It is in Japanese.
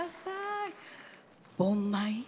「盆舞」。